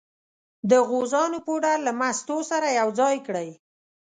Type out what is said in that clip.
د غوزانو پوډر له مستو سره یو ځای کړئ.